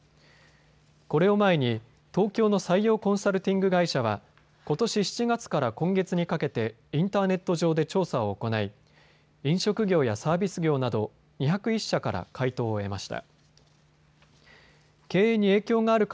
これを前に東京の採用コンサルティング会社はことし７月から今月にかけてインターネット上で調査を行い、飲食業やサービス業など２０１社から回答を得ました。